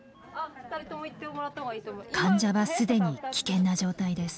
患者は既に危険な状態です。